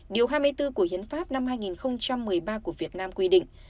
điều hai mươi bốn của hiến pháp năm hai nghìn một mươi ba của việt nam quy định